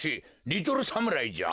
リトルサムライじゃ。